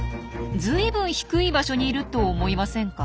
ずいぶん低い場所にいると思いませんか？